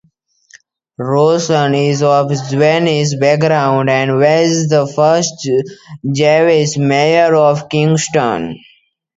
Rosen is of Jewish background, and was the first Jewish mayor of Kingston.